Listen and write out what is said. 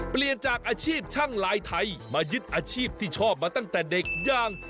เปลี่ยนจากอาชีพช่างลายไทยมายึดอาชีพที่ชอบมาตั้งแต่เด็กอย่าง